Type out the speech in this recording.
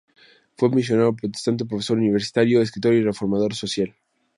Fue misionero protestante, profesor universitario, escritor y reformador social.